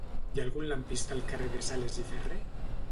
Hi ha algun lampista al carrer de Sales i Ferré?